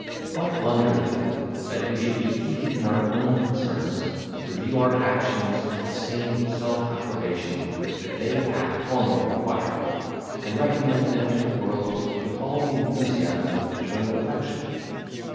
What wonder, then, that we should be heated in our own concerns, review our actions with the same self approbation that they had formerly acquired, and recommend them to the world with all the enthusiasm of paternal affection?